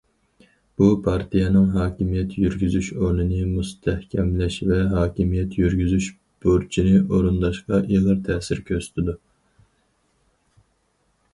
بۇ، پارتىيەنىڭ ھاكىمىيەت يۈرگۈزۈش ئورنىنى مۇستەھكەملەش ۋە ھاكىمىيەت يۈرگۈزۈش بۇرچىنى ئورۇنداشقا ئېغىر تەسىر كۆرسىتىدۇ.